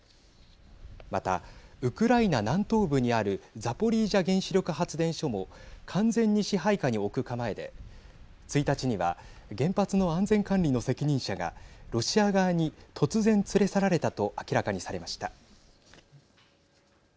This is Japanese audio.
また、ウクライナ南東部にあるザポリージャ原子力発電所も完全に支配下に置く構えで１日には原発の安全管理の責任者がロシア側に突然、連れ去られたと明らかにされました。